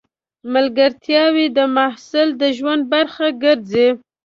ملګرتیاوې د محصل د ژوند برخه ګرځي.